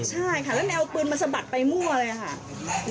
ใช่ค่ะแล้วแนวปืนมันสะบัดไปมั่วเลยค่ะ